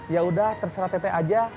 yaudah terserah teteh aja